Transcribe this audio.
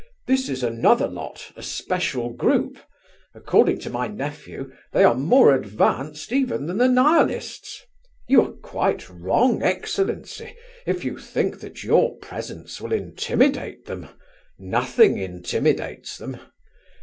"This is another lot—a special group. According to my nephew they are more advanced even than the Nihilists. You are quite wrong, excellency, if you think that your presence will intimidate them; nothing intimidates them.